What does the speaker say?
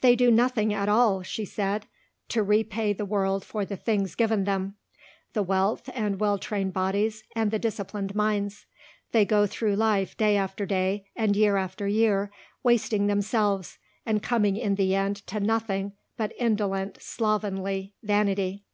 "They do nothing at all," she said, "to repay the world for the things given them, the wealth and well trained bodies and the disciplined minds. They go through life day after day and year after year wasting themselves and come in the end to nothing but indolent, slovenly vanity."